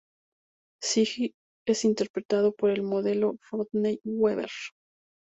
Ziggy es interpretado por el modelo Rodney Weber.